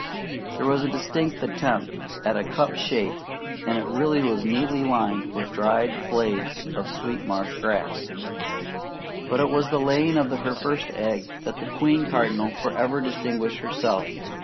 There was a distinct attempt at a cup shape, and it really was neatly lined with dried blades of sweet marsh grass. But it was in the laying of her first egg that the queen cardinal forever distinguished herself.